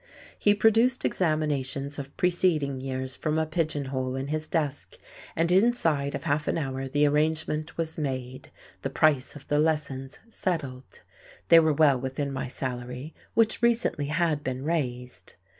He produced examinations of preceding years from a pigeonhole in his desk, and inside of half an hour the arrangement was made, the price of the lessons settled. They were well within my salary, which recently had been raised....